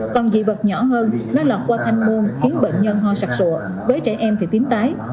còn dị vật nhỏ hơn nó lọt qua thanh môn khiến bệnh nhân ho sặc sụa với trẻ em thì tiếm tái